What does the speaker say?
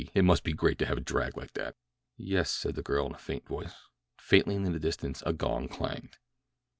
But it must be great to have a drag like that." "Yes," said the girl in a faint voice. Faintly in the distance a gong clanged.